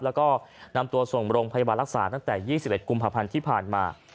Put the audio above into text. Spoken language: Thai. แล้วก็นำตัวส่งโรงพยาบาลรักษาตั้งแต่๒๑กุมภาพันธ์ที่ผ่านมา